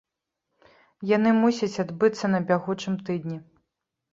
Яны мусяць адбыцца на бягучым тыдні.